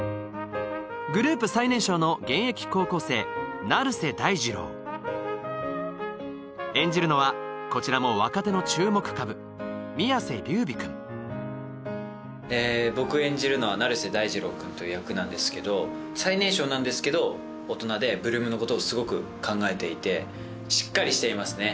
グループ最年少の現役高校生成瀬大二郎演じるのはこちらも若手の注目株僕演じるのは成瀬大二郎君という役なんですけど最年少なんですけど大人で８ＬＯＯＭのことをすごく考えていてしっかりしていますね